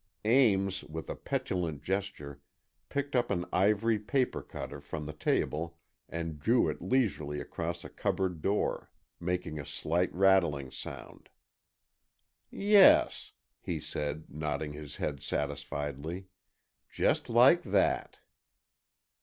Ames, with a petulant gesture, picked up an ivory paper cutter from the table and drew it leisurely across a cupboard door, making a slight rattling sound. "Yes," he said, nodding his head satisfiedly, "just like that."